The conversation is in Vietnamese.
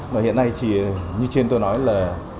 và hiện nay thì như trên tôi nói là